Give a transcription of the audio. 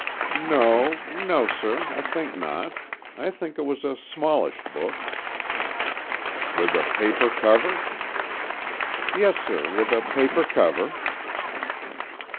"No—no, sir, I think not. I think it was a smallish book——" "With a paper cover?" "Yes, sir, with a paper cover."